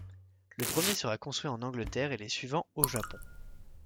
Le premier sera construit en Angleterre et les suivants au Japon.